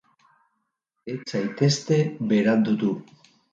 Ez zaitezte berandutu.